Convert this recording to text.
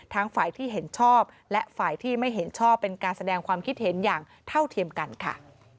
ฝ่ายที่เห็นชอบและฝ่ายที่ไม่เห็นชอบเป็นการแสดงความคิดเห็นอย่างเท่าเทียมกันค่ะ